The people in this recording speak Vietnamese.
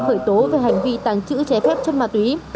khởi tố về hành vi tàng trữ trái phép chất ma túy